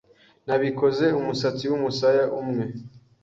Nabikoze numusatsi wumusaya umwe